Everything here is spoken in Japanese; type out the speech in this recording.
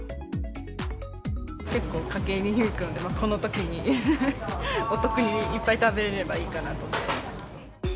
結構家計に響くんで、このときにお得にいっぱい食べれればいいかなと思ってます。